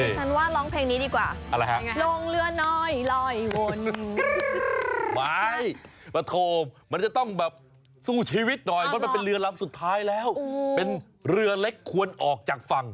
ฉันว่าร้องเพลงนี้ดีกว่าอะไรฮะลงเรือหน่อยลอยวนไม้ประโทมมันจะต้องแบบสู้ชีวิตหน่อยเพราะมันเป็นเรือลำสุดท้ายแล้วเป็นเรือเล็กควรออกจากฝั่ง